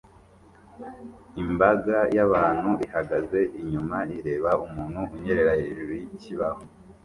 Imbaga y'abantu ihagaze inyuma ireba umuntu unyerera hejuru yikibaho